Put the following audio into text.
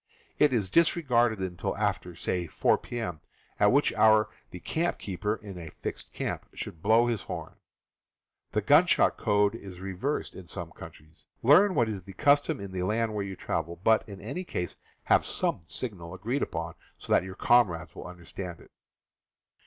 It is disregarded until after, say, 4 p.m., at which hour the campkeeper (in a fixed camp) should blow his horn. This gunshot code is reversed in some countries. Learn what is the custom in the land where you travel; but, in any case, have some signal agreed upon so that your comrades will understand it.